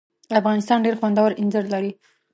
افغانستان ډېر خوندور اینځر لري.